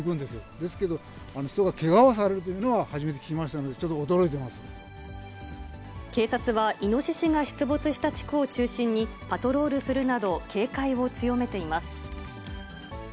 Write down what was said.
ですけど、人がけがをされるというのは初めて聞きましたので、ちょっと驚い警察は、イノシシが出没した地区を中心に、パトロールするなど、警戒を強めています。